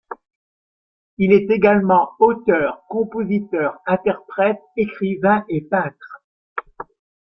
Il est également auteur-compositeur-interprète, écrivain et peintre.